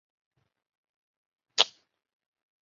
海南野扇花为黄杨科野扇花属的植物。